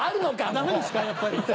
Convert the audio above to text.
ダメですかやっぱり。